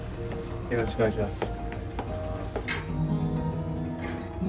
よろしくお願いします。